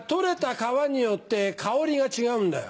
川によって香りが違うんだよ。